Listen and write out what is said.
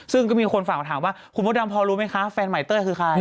ซึ่งก็มีคนฝากมาถามว่าคุณมดดำพอรู้ไหมคะแฟนใหม่เต้ยคือใคร